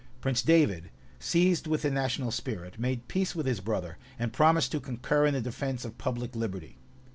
Prince David, seized with the national spirit, made peace with his brother, and promised to concur in the defence of public liberty.